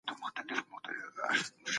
د قحطۍ پر مهال خلک د لوږي مري.